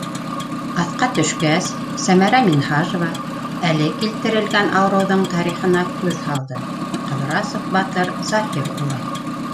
Аҫҡа төшкәс, Сәмәрә Минһажева әле килтерелгән ауырыуҙың тарихына күҙ һалды: «Ҡыҙрасов Батыр Заһир улы».